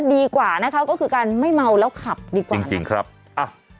ดีกว่านะคะก็คือการไม่เมาแล้วขับดีกว่าจริงจริงครับอ่ะ